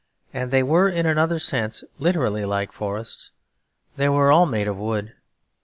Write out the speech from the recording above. And they were, in another sense, literally like forests. They were all made of wood.